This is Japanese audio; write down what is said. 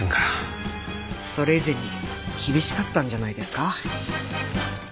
それ以前に厳しかったんじゃないですか？